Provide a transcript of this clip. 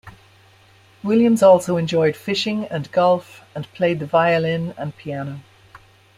Williams also enjoyed fishing and golf and played the violin and piano.